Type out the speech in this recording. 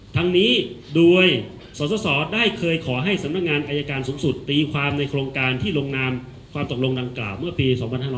ทั้งนี้โดยสสได้เคยขอให้สำนักงานอายการสูงสุดตีความในโครงการที่ลงนามความตกลงดังกล่าวเมื่อปี๒๕๕๙